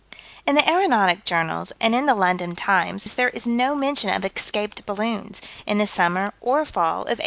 In the aeronautic journals and in the London Times there is no mention of escaped balloons, in the summer or fall of 1898.